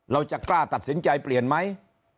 เราจะกล้าตัดสินใจเปลี่ยนไหม